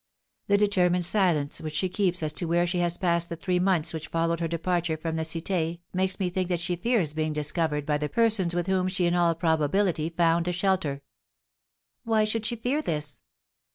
"The determined silence which she keeps as to where she has passed the three months which followed her departure from the Cité makes me think that she fears being discovered by the persons with whom she in all probability found a shelter." "Why should she fear this?"